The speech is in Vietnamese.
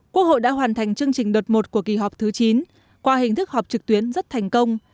quốc hội đã hoàn thành chương trình đợt một của kỳ họp thứ chín qua hình thức họp trực tuyến rất thành công